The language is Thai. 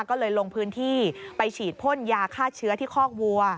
ก็เลยลงพื้นที่ไปฉีดพ่นยาฆ่าเชื้อที่คอกวัว